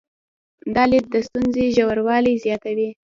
دا لید د ستونزې ژوروالي زیاتوي.